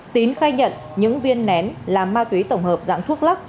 tín khai nhận những viên nén là ma túy tổng hợp dạng thuốc lắc